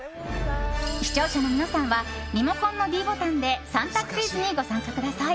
視聴者の皆さんはリモコンのｄボタンで３択クイズにご参加ください。